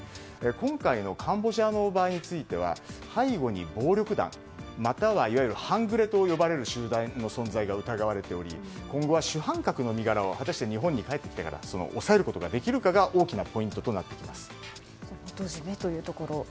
今回のカンボジアの場合については背後に暴力団、または半グレと呼ばれる集団の存在が疑われており、今後は主犯格の身柄を日本に帰ってきてから押さえることができるかが大きなポイントとなってきます。